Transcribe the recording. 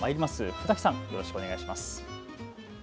船木さん、よろしくお願いします。